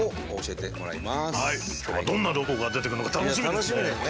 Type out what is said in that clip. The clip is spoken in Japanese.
今日はどんなロコが出てくるのか楽しみですね！